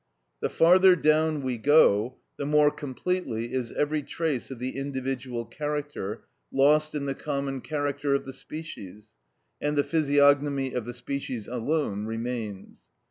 The farther down we go, the more completely is every trace of the individual character lost in the common character of the species, and the physiognomy of the species alone remains.